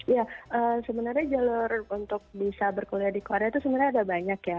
ya sebenarnya jalur untuk bisa berkuliah di korea itu sebenarnya ada banyak ya